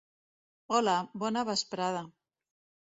Hola, bona vesprada.